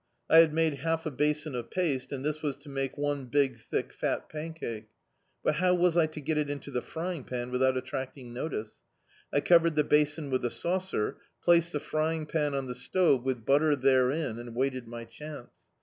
I had made half a basin oif paste, and this was to make one big thick fat pancake. But how was I to get it into the frying pan without attracting notice? I covered the basin with a saucer, placed the frying pan on the stove, with butter therein, and waited my chance.